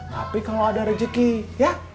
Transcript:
tapi kalau ada rejeki ya